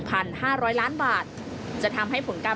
ประกอบกับต้นทุนหลักที่เพิ่มขึ้น